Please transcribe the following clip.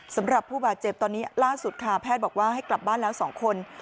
สำหรับผู้บาดเจ็บตอนนี้ล่าสุดค่ะแพทย์บอกว่าให้กลับบ้านแล้ว๒คน